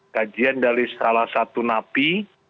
kajian dari salah satu napi